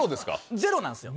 ゼロなんですよ。